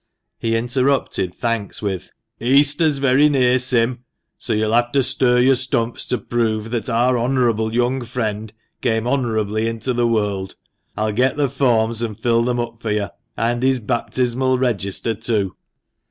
He interrupted thanks with — "Easter's very near, Sim, so you'll have to stir your stumps to prove that our honourable young friend came honourably into the world. I'll get the forms and fill them up for you, and his baptismal register too."